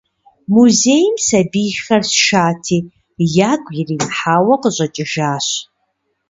Музейм сабийхэр сшати, ягу иримыхьауэ къыщӏэкӏыжащ.